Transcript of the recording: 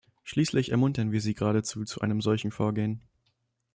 Schließlich ermuntern wir sie geradezu zu einem solchen Vorgehen.